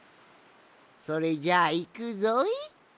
それじゃあいくぞい。